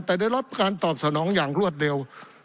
แต่ได้รับการตอบสนองอย่างรวดเร็ว